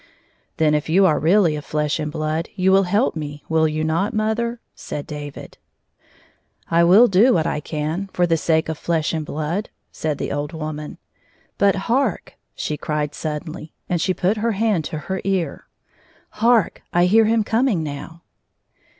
"Then, if you are really of flesh and blood, you will help me, will you not, mother 1" said David. " I will do what I can, for the sake of flesh and blood," said the old woman. " But hark !" she cried, suddenly, and she put her hand to her ear — "Hark! I hear him coming now!"